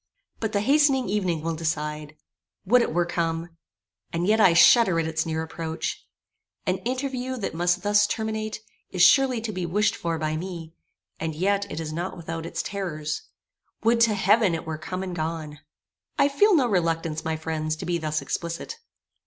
But the hastening evening will decide. Would it were come! And yet I shudder at its near approach. An interview that must thus terminate, is surely to be wished for by me; and yet it is not without its terrors. Would to heaven it were come and gone! I feel no reluctance, my friends to be thus explicit.